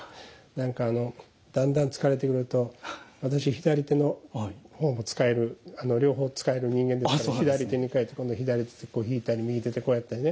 何かあのだんだん疲れてくると私左手の方も使える両方使える人間ですから左手に替えて今度は左手でひいたり右手でこうやったりね。